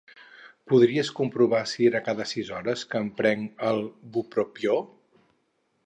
Podries comprovar si era cada sis hores que em prenc el bupropió?